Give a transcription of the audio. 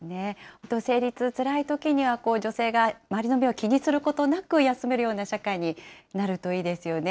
本当、生理痛つらいときには女性が周りの目を気にすることなく休めるような社会になるといいですよね。